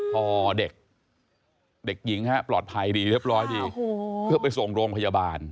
พอเด็กเด็กหญิงฮะปลอดภัยดีเรียบร้อยดีเพื่อไปส่งโรงพยาบาล